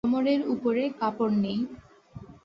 কোমরের উপরে কাপড় নেই।